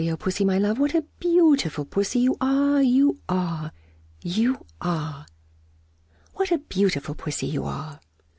O Pussy, my love, What a beautiful Pussy you are, You are, You are! What a beautiful Pussy you are!"